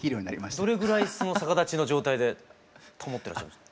どれぐらいその逆立ちの状態で保ってらっしゃるんですか？